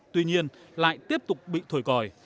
tuy nhiên lại tiếp tục bị thổi còi